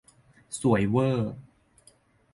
สวยเว่อ